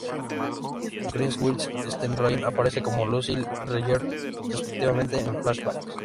Kristen Wiig y Seth Rogen aparecen como Lucille y George Sr., respectivamente, en flashbacks.